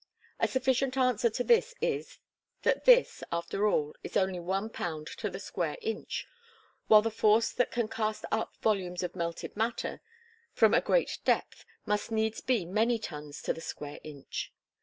A sufficient answer to this is, that this, after all, is only one pound to the square inch; while the force that can cast up volumes of melted matter from a great depth must needs be many tons to the square inch.